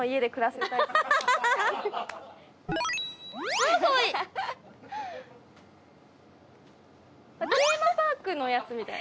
テーマパークのやつみたい。